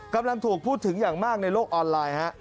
กำลังถูกพูดถึงอย่างมากในโลกออนไลน์ฮะ